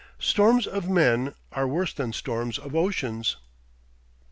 STORMS OF MEN ARE WORSE THAN STORMS OF OCEANS.